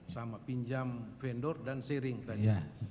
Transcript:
sama pinjam vendor dan sharing tadi